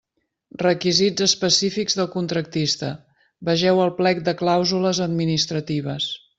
Requisits específics del contractista: vegeu el plec de clàusules administratives.